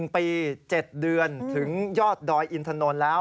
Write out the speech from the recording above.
๑ปี๗เดือนถึงยอดดอยอินทนนท์แล้ว